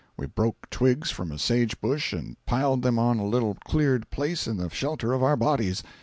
We broke twigs from a sage bush and piled them on a little cleared place in the shelter of our bodies.